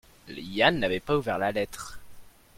Yann n'avait pas ouvert la lettre.